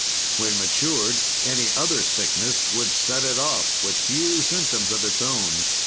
When matured, any other sickness would set it off, with few symptoms of its own.